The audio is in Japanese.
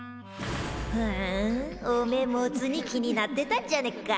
ふんおめえモツ煮気になってたんじゃねっか。